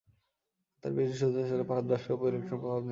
তার পিএইচডি অভিসন্দর্ভ ছিল পারদ বাষ্পের উপর ইলেকট্রনের প্রভাব নিয়ে।